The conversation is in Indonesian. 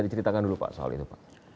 bagaimana anda mencoba mencoba